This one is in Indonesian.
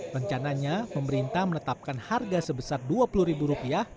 rencananya pemerintah menetapkan harga sebesar dua puluh ribu rupiah